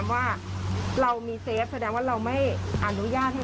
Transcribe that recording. ไม่รู้เหมือนกันแอนก็งงว่าไปเอามายังไง